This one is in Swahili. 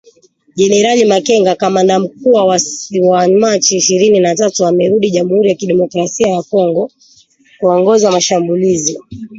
Jenerali Makenga kamanda mkuu wa waasi wa Machi ishirini na tatu amerudi Jamuhuri ya Kidemokrasia ya Kongo kuongoza mashambulizi